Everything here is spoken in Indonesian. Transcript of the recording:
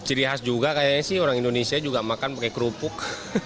ciri khas juga kayaknya sih orang indonesia juga makan pakai kerupuk